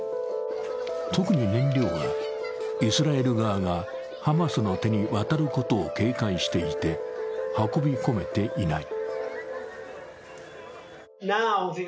特に燃料は、イスラエル側がハマスの手に渡ることを警戒していて、運び込めていない。